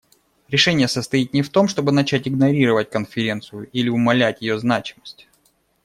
Решение состоит не в том, чтобы начать игнорировать Конференцию или умалять ее значимость.